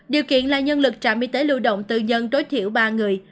điều kiện là nhân lực trạm y tế lưu động tư nhân tối thiểu ba người